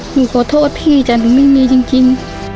หนูขอโทษพี่จ้ะหนูไม่มีจริง